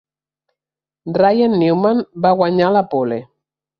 Ryan Newman va guanyar la pole.